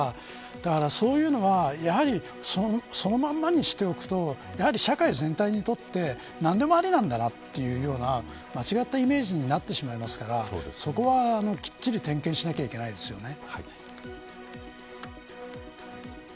だから、そういうのはやはりそのままにしておくと社会全体にとって何でもありなんだなというような間違ったイメージになってしまいますからそこは、きっちり点検しなきゃいけないですよね。